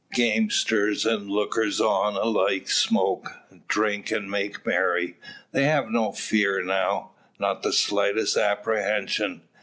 Gamesters and lookers on alike smoke, drink, and make merry. They have no fear now, not the slightest apprehension.